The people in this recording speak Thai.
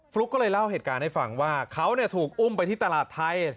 ก็เลยเล่าเหตุการณ์ให้ฟังว่าเขาถูกอุ้มไปที่ตลาดไทย